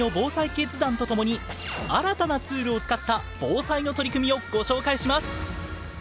キッズ団と共に新たなツールを使った防災の取り組みをご紹介します。